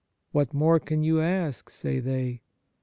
What more can you ask, say they